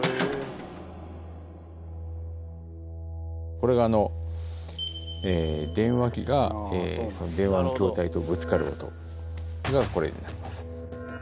これがあの電話機が電話の筺体とぶつかる音。がこれになります。